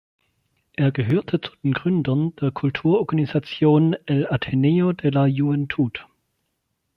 Er gehörte zu den Gründern der Kulturorganisation "El Ateneo de la Juventud".